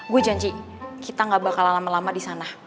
gue janji kita gak bakalan lama lama disana